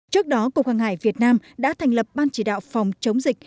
trước đó cục hàng hải việt nam đã thành lập ban chỉ đạo phòng chống dịch